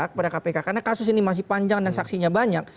karena kasus ini masih panjang dan saksinya banyak